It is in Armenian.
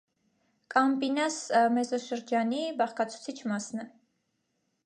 Կամպինաս մեզոշրջանի բաղկացուցիչ մասն է։